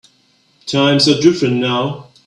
Times are different now.